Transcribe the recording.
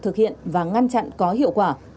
thực hiện và ngăn chặn có hiệu quả